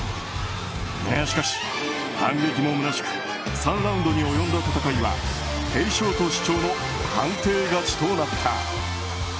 しかし、反撃もむなしく３ラウンドに及んだ戦いはペイショート市長の判定勝ちとなった。